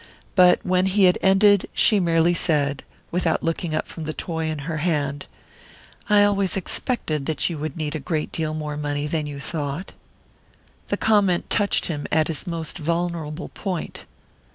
But when he had ended she merely said, without looking up from the toy in her hand: "I always expected that you would need a great deal more money than you thought." The comment touched him at his most vulnerable point.